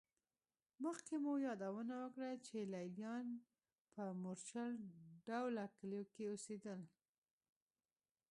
مخکې مو یادونه وکړه چې لېلیان په مورچل ډوله کلیو کې اوسېدل